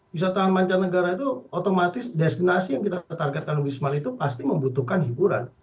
bisa tahan manca negara itu otomatis destinasi yang kita targetkan wisman itu pasti membutuhkan hiburan